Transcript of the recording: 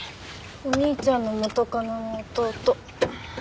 お兄ちゃんの元カノの弟。